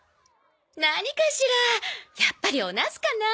何かしらやっぱりおナスかな？